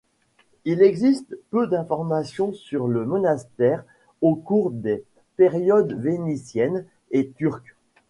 Il existe peu d'information sur le monastère au cours des périodes vénitiennes et turques.